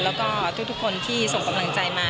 แล้วก็ทุกคนที่ส่งกำลังใจมา